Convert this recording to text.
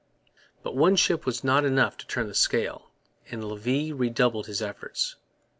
But one ship was not enough to turn the scale; and Levis redoubled his efforts.